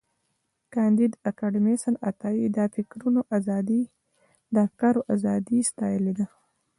کانديد اکاډميسن عطایي د افکارو ازادي ستایلې ده.